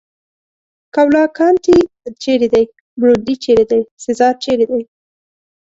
کاوالکانتي چېرې دی؟ برونډي چېرې دی؟ سزار چېرې دی؟